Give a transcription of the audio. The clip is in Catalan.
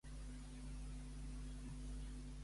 Aquell és el meu Valet, i el meu Valet no va a peu.